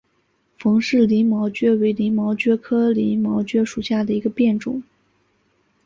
冯氏鳞毛蕨为鳞毛蕨科鳞毛蕨属下的一个变种。